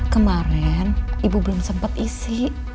kemarin ibu belum sempat isi